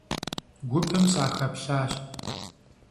Гупым сахэплъащ.